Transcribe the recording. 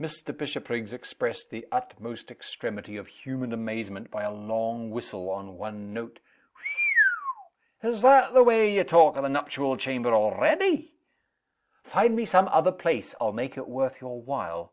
Mr. Bishopriggs expressed the utmost extremity of human amazement by a long whistle, on one note. "Whew! Is that the way ye talk o' the nuptial chamber already?" "Find me some other place I'll make it worth your while."